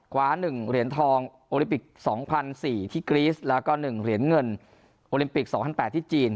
คว้า๑เหรียญทองโอลิปิก๒๐๐๔ที่กรีสแล้วก็๑เหรียญเงินโอลิมปิก๒๐๐๘ที่จีน